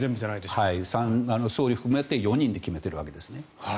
総理含めて４人で決めているわけです。